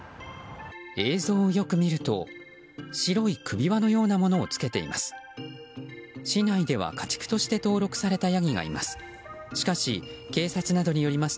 映像をよく見ると白い首輪のようなものをつけています。